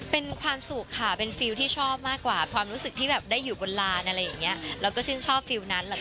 เป็นความสุขค่ะเป็นฟิลที่ชอบมากกว่าความรู้สึกที่แบบได้อยู่บนลานอะไรอย่างเงี้ยแล้วก็ชื่นชอบฟิลล์นั้นแหละค่ะ